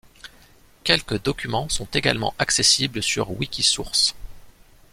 Quelques documents sont également accessibles sur Wikisource.